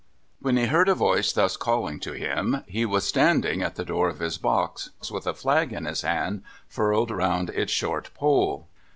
When he heard a voice thus calling to him, he was standing at the door of his box, with a flag in his hand, furled round its short pole.